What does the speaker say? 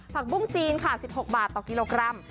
ผักบุ้งจีนค่ะ๑๖บาทต่อกิโลกรัม